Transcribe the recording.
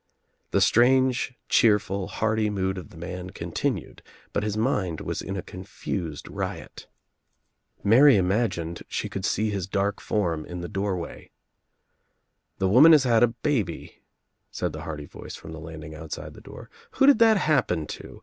The Strange cheerful hearty mood of the man continued but his mind was in a confused riot. Mary imagined she could sec his dark form in the doorway. "The woman has had a baby," said the hearty voice from the landing outside the door. "Who did that happen to?